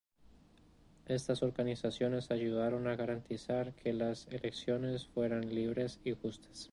Estas organizaciones ayudaron a garantizar que las elecciones fueran libres y justas.